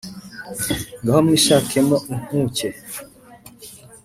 Ngaho mwishakemo inkuke!